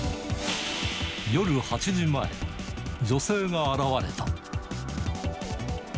夜８時前、女性が現れた。